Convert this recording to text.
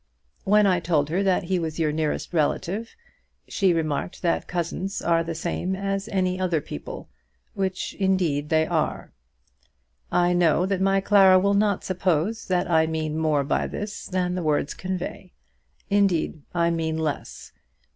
When I told her that he was your nearest relative, she remarked that cousins are the same as any other people, which indeed they are. I know that my Clara will not suppose that I mean more by this than the words convey. Indeed I mean less.